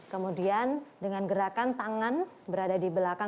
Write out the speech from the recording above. kemudian dengan gerakan tangan berada di belakang